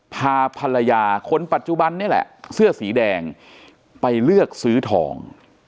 พาภรรยาคนปัจจุบันนี่แหละเสื้อสีแดงไปเลือกซื้อทอง